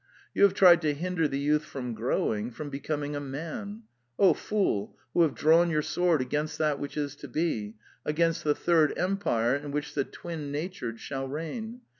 You have tried to hinder the youth from growing: from becoming a man. Oh fool, who have drawn your sword against that which is to be : against the third empire, in which the twin natured shall reign.